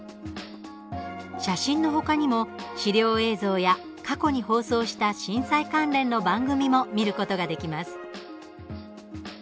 写真の他にも、資料映像や過去に放送した震災関連の番組も見ることができます。